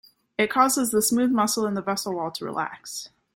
It causes the smooth muscle in the vessel wall to relax.